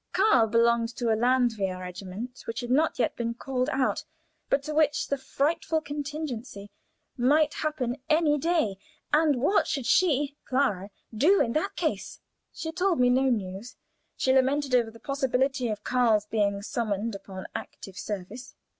Karl belonged to a Landwehr regiment which had not yet been called out, but to which that frightful contingency might happen any day; and what should she, Clara, do in that case? She told me no news; she lamented over the possibility of Karl's being summoned upon active service.